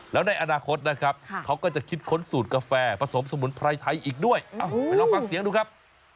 แล้วในอนาคตนะครับเขาก็จะคิดค้นสูตรกาแฟผสมสมุนไพรไทยอีกด้วยไปลองฟังเสียงดูครับ